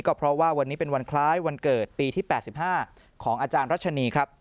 ก็เพราะว่าวันนี้เป็นวันคล้ายวันเกิดปีที่๘๕ของอาจารย์รัชนีครับ